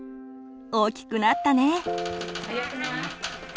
大きくなったね。